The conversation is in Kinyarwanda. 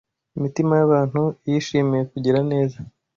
imitima y’abantu yishimiye kugira neza